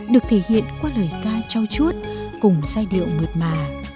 được thể hiện qua lời ca trao chuốt cùng giai điệu mượt mà